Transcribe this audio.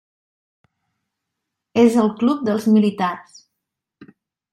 És el club dels militars.